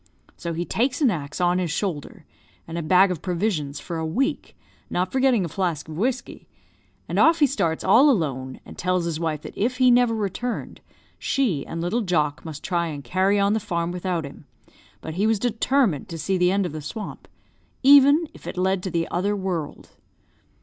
So he takes an axe on his shoulder, and a bag of provisions for a week, not forgetting a flask of whiskey, and off he starts all alone, and tells his wife that if he never returned, she and little Jock must try and carry on the farm without him; but he was determined to see the end of the swamp, even if it led to the other world.